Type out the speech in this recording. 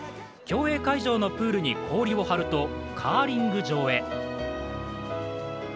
競泳会場のプールに氷を張るとカーリング場へ。